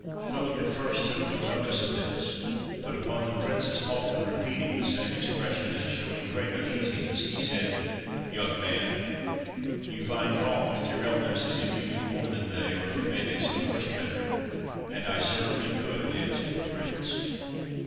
" Philip at first took no notice of this ; but upon the prince's often repeating the same expression, and showing great uneasiness, he said, ' Young man, you find fault with your elders as if you knew more than they, or could manage the horse better.' "' And I certainly could,' answered the prince.